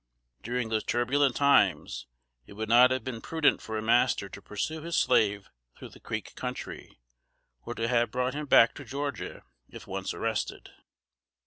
During those turbulent times it would not have been prudent for a master to pursue his slave through the Creek country, or to have brought him back to Georgia if once arrested.